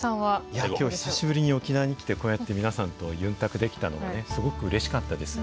いや今日久しぶりに沖縄に来てこうやって皆さんとユンタクできたのはねすごくうれしかったです。